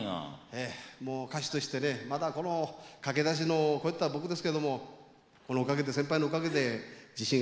ええもう歌手としてねまだこの駆け出しのこういった僕ですけども先輩のおかげで自信がつくことができました。